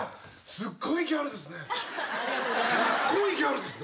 すごいギャルですね。